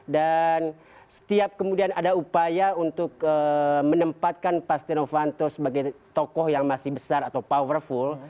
dan setiap kemudian ada upaya untuk menempatkan pastiano vanto sebagai tokoh yang masih besar atau powerful